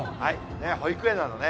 保育園なのね。